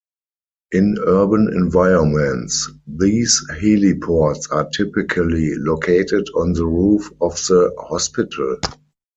In urban environments, these heliports are typically located on the roof of the hospital.